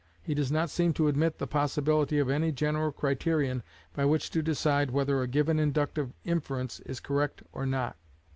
He does not seem to admit the possibility of any general criterion by which to decide whether a given inductive inference is correct or not.